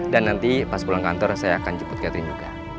dan nanti pas pulang kantor saya akan jeput catherine juga